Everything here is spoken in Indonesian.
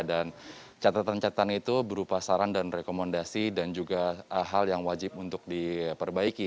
dan catatan catatan itu berupa saran dan rekomendasi dan juga hal yang wajib untuk diperbaiki